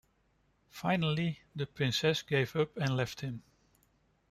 Finally, the princess gave up and left him.